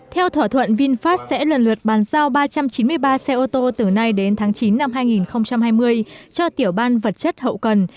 theo thỏa thuận vinfast sẽ lần lượt bàn giao ba trăm chín mươi ba xe ô tô từ nay đến tháng chín năm hai nghìn hai mươi cho tiểu ban vật chất hậu cần